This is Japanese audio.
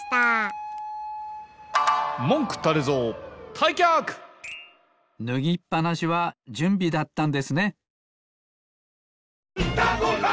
たいきゃくぬぎっぱなしはじゅんびだったんですね。